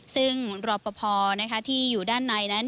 ซึ่งรอบปะพอนะคะที่อยู่ด้านในนั้น